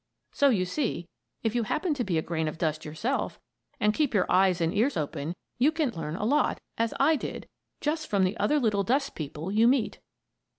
So you see if you happen to be a grain of dust yourself, and keep your eyes and ears open, you can learn a lot, as I did, just from the other little dust people you meet.